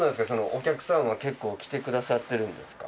お客さんは結構来てくださってるんですか？